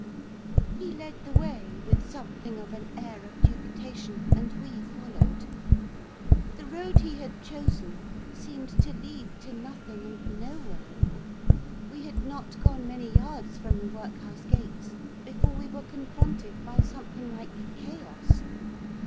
He led the way, with something of an air of dubitation, and we followed. The road he had chosen seemed to lead to nothing and nowhere. We had not gone many yards from the workhouse gates before we were confronted by something like chaos.